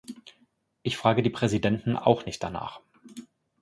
Ich frage die Präsidenten auch nicht danach.